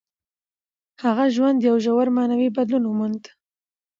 د هغه ژوند یو ژور معنوي بدلون وموند.